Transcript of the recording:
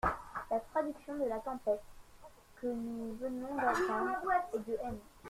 La traduction de la Tempête, que nous venons d'entendre, est de M.